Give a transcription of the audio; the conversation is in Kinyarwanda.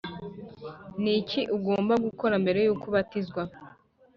a Ni iki ugomba gukora mbere y uko ubatizwa